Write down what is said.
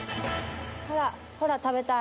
ほらほら食べたい。